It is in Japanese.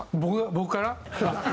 僕から？